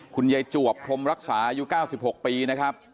คุณยัยจัวบคุณรักษาอยู่๙๖ปีนะครับ